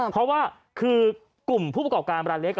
เพราะว่าคือกลุ่มผู้ประกอบการร้านเล็ก